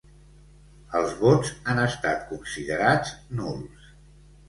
Els vots han estat considerats nuls.